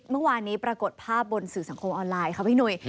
เมื่อวานนี้ปรากฏภาพบนสื่อสังคมออนไลน์ค่ะพี่หนุ่ย